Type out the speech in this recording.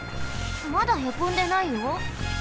まだへこんでないよ？